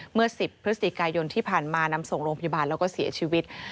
เมื่อ๑๐พฤศจิกายนที่ผ่านมานำส่งโรงพยาบาลแล้วก็เสียชีวิต